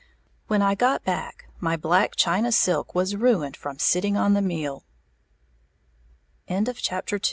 When I got back, my black china silk was ruined from sitting on the meal. III ACQUIRING A FAM